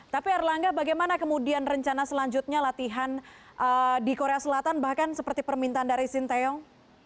tapi erlangga bagaimana kemudian rencana selanjutnya latihan di korea selatan bahkan seperti permintaan dari sinteyong